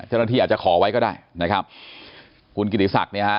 เจ้าหน้าที่อาจจะขอไว้ก็ได้นะครับคุณกิติศักดิ์เนี่ยฮะ